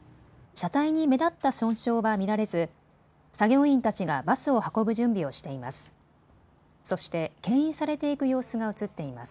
車体に目立った損傷は見られず作業員たちがバスを運ぶ準備をしています。